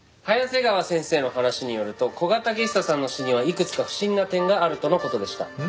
早瀬川先生の話によると古賀武久さんの死にはいくつか不審な点があるとの事でした。